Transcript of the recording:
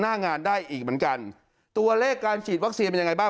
หน้างานได้อีกเหมือนกันตัวเลขการฉีดวัคซีนเป็นยังไงบ้าง